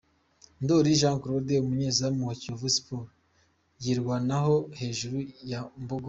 Ndoli Jean Claude umunyezamu wa Kiyovu Sport yirwanaho hejuru ya Mbogo Ali.